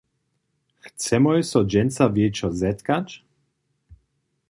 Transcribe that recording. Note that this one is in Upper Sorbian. Chcemoj so dźensa wječor zetkać?